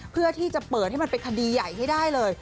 เพื่อที่จะเปิดให้มันเป็นคดีใหญ่ให้ได้เลย